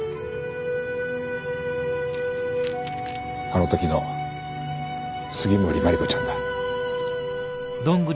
あの時の杉森真梨子ちゃんだ。